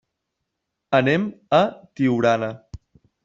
Anem a Tiurana.